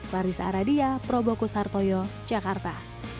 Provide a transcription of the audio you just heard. larissa aradia probokus hartoyo jakarta